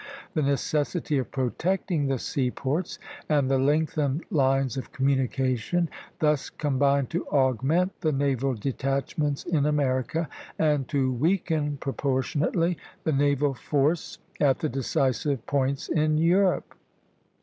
The necessity of protecting the seaports and the lengthened lines of communication thus combined to augment the naval detachments in America, and to weaken proportionately the naval force at the decisive points in Europe.